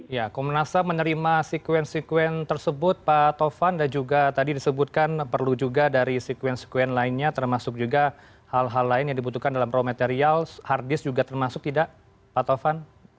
ya komnas ham menerima sekuen sekuen tersebut pak tovan dan juga tadi disebutkan perlu juga dari sekuen sekuen lainnya termasuk juga hal hal lain yang dibutuhkan dalam raw material hard disk juga termasuk tidak pak tovan